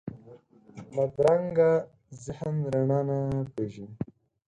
بدرنګه ذهن رڼا نه پېژني